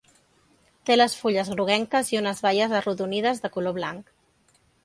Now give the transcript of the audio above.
Té les fulles groguenques i unes baies arrodonides de color blanc.